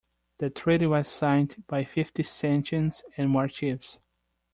The treaty was signed by fifty Sachems and War Chiefs.